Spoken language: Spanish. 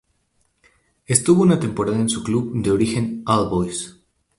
Estuvo una temporada en su club de origen All Boys.